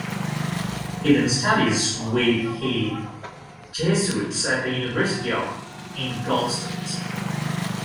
He then studied with he Jesuits at the University of Ingolstadt.